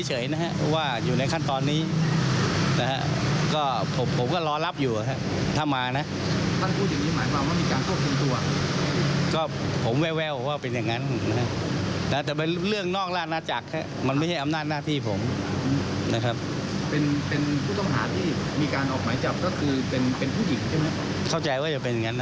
เข้าใจว่าจะเป็นอย่างงั้นนะครับ